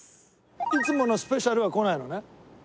いつものスペシャルは来ないのね？